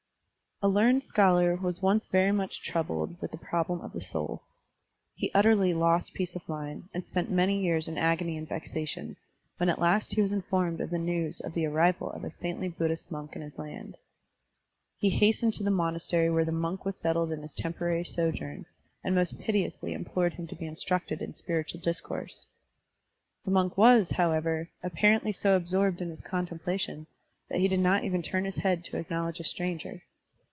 A learned scholar was once very much troubled with the problem of the soul. He utterly lost peace of mind, and spent many years in agony and vexation, when at last he was informed of the news of the arrival of a saintly Buddhist Digitized by Google 42 SERMONS OF A BUDDHIST ABBOT monk in his land. He hastened to the monas tery where the monk was settled in his temporary sojourn, and most piteously implored him to be instructed in spiritual discourse. The moiik was, however, apparently so absorbed in his contem plation that he did not even turn his head to acknowledge a stranger.